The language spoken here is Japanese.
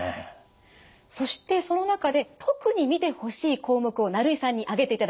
そしてその中で特に見てほしい項目を成井さんに挙げていただきました。